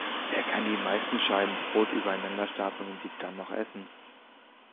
Wer kann die meisten Scheiben Brot übereinander stapeln und sie dann noch essen?